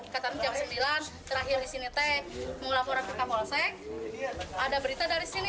kata kata jam sembilan terakhir disini teh mau laporan ke kapolsek ada berita dari sini